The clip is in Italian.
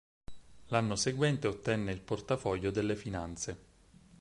L'anno seguente ottenne il portafoglio delle Finanze.